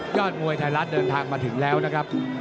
มวยไทยรัฐเดินทางมาถึงแล้วนะครับ